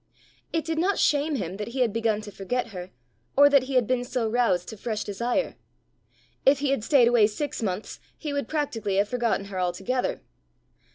It did not shame him that he had begun to forget her, or that he had been so roused to fresh desire. If he had stayed away six months, he would practically have forgotten her altogether.